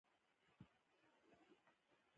چې د نړۍ روابط یې بل ته محتاج نه وي.